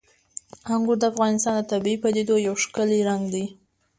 انګور د افغانستان د طبیعي پدیدو یو ښکلی رنګ دی.